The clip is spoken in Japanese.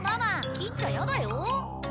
切っちゃやだよ。